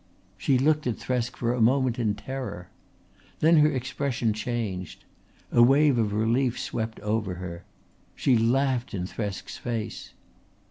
She looked at Thresk for a moment in terror. Then her expression changed. A wave of relief swept over her; she laughed in Thresk's face.